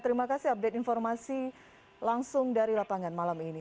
terima kasih update informasi langsung dari lapangan malam ini